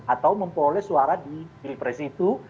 atau memperoleh suara di pilpres itu